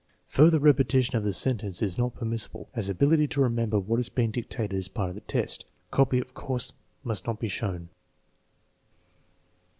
Further repetition of the sentence is not permissible, as ability to remember what has been dictated is a part of the test. Copy, of course, must not be shown.